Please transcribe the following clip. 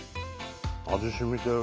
味しみてる。